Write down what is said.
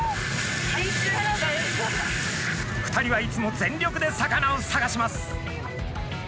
２人はいつも全力で魚を探します。